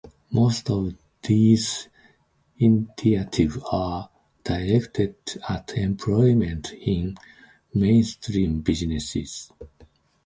Most of these initiatives are directed at employment in mainstream businesses.